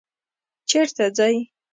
چیرته ځئ؟